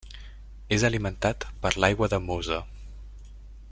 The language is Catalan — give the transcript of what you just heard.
És alimentat per l'aigua del Mosa.